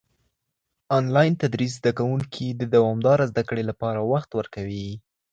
انلاين تدريس زده کوونکي د دوامداره زده کړې لپاره وخت ورکوي.